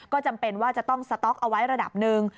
ก็จำเป็นว่าจะต้องสต๊อกเอาไว้ระดับหนึ่ง